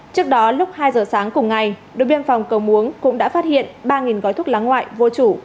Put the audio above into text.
trước đó lúc hai giờ sáng cùng ngày đội biên phòng cầu muống cũng đã phát hiện ba gói thuốc lá ngoại vô chủ